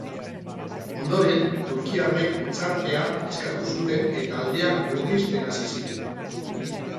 Ondoren, turkiarrek hutsartea eskatu zuten eta aldeak murrizten hasi ziren.